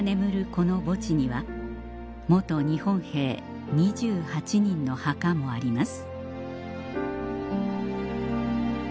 この墓地には日本兵２８人の墓もあります